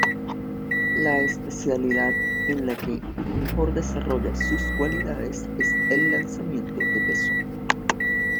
La especialidad en la que mejor desarrolla sus cualidades es el lanzamiento de peso.